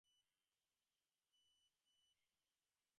বাবার অভাব আমি বোধ করিনি, কারণ বাবা সম্পর্কে আমার কোনো স্মৃতি নেই।